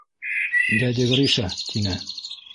— Дядя Гриша, — тине.